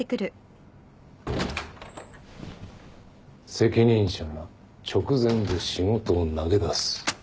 ・責任者が直前で仕事を投げ出す。